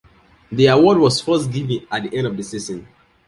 The award was first given at the end of the season.